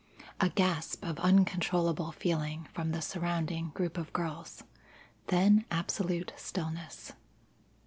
A gasp of uncontrollable feeling from the surrounding group of girls, then absolute stillness.